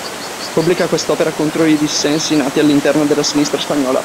Pubblica questa opera contro i dissensi nati all'interno della sinistra spagnola.